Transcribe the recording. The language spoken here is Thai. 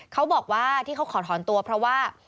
เขาบอกว่าที่เขาขอถอนตัวเพราะว่า